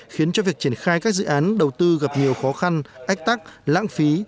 khiến cho việc triển khai các dự án đầu tư gặp nhiều khó khăn ách tắc lãng phí